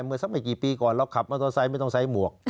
เมื่อสักไม่กี่ปีก่อนเราขับมอเตอร์ไซค์ไม่ต้องใช้หมวก